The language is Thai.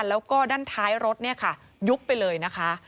แล้วก็ด้านท้ายรถยุกไปเลยนะคะ